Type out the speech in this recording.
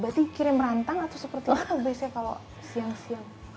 berarti kirim rantang atau seperti itu kalau siang siang